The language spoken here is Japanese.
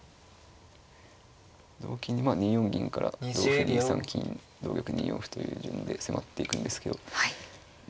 同金にまあ２四銀から同歩２三金同玉２四歩という順で迫っていくんですけどま